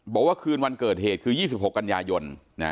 บอกว่าคืนวันเกิดเหตุคือ๒๖กันยายน